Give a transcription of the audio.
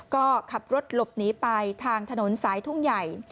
ก็ขับรถหลบหนีไปทางถนนสายทุ่งใหญ่